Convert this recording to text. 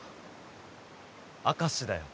明石だよ